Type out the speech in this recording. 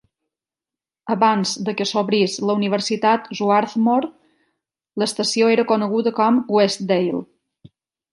Abans de què s'obrís la Universitat Swarthmore, l'estació era coneguda com Westdale.